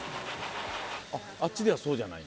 あっちではそうじゃない？